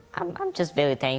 saya sangat berterima kasih